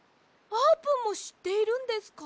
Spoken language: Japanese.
あーぷんもしっているんですか！